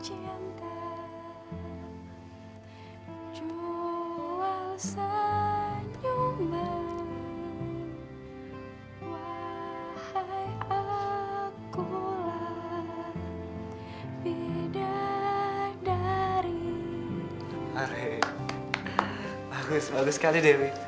are bagus bagus sekali dewi aku suka suka sekali